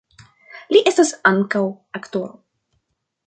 Li estas ankaŭ aktoro.